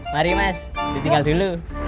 mari mas ditinggal dulu